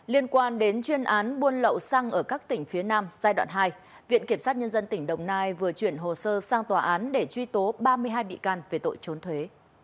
liên quan đến chuyên án buôn lậu xăng ở các tỉnh phía nam giai đoạn hai viện kiểm sát nhân dân tỉnh đồng nai vừa chuyển hồ sơ sang tòa án để truy tố ba mươi hai bị can về tội trốn thuế